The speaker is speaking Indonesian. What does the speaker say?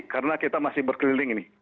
karena kita masih berkeliling ini